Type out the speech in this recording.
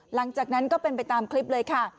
หลังจากนั้นก็เป็นไปตามคลิปเลยค่ะ